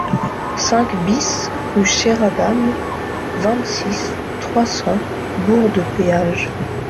cinq BIS rue Chéradame, vingt-six, trois cents, Bourg-de-Péage